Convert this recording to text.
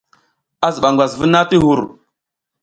A ziɓa ngwas vuna ti hur.